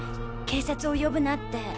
警察を呼ぶなって。